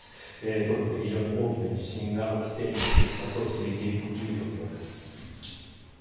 トルコで非常に大きな地震が起きて今、救出活動が続いているという状況です。